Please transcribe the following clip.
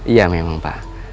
iya memang pak